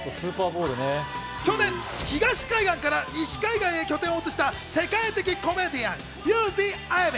去年、東海岸から西海岸へ拠点を移した世界的コメディアン、ユウジ・アヤベ。